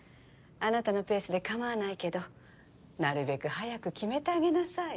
あなたのペースで構わないけどなるべく早く決めてあげなさい。